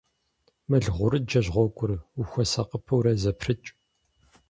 Мыл гъурыджэщ гъуэгур, ухуэсакъыпэурэ зэпрыкӏ.